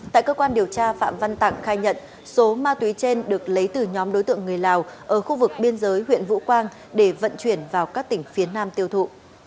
tại cơ quan điều tra phạm văn tạng khai nhận số ma túy trên được lấy từ nhóm đối tượng người lào ở khu vực biên giới huyện vũ quang để vận chuyển vào các tỉnh phía nam tiêu thụ